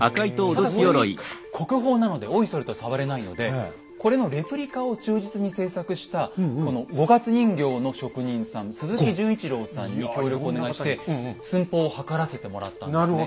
ただこれ国宝なのでおいそれと触れないのでこれのレプリカを忠実に製作したこの五月人形の職人さん鈴木順一朗さんに協力をお願いして寸法を測らせてもらったんですね。